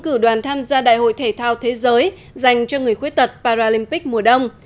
cử đoàn tham gia đại hội thể thao thế giới dành cho người khuyết tật paralympic mùa đông